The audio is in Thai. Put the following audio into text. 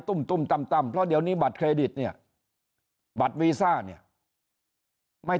ตุ้มตุ้มตั้มเพราะเดี๋ยวนี้บัตรเครดิตเนี่ยบัตรวีซ่าเนี่ยไม่